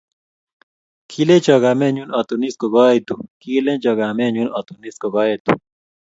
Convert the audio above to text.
Kilecho kamenyu atunis ko kaetu Kilecho kamenyu atunis ko kaetu